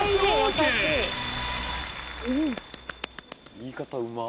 言い方うまっ。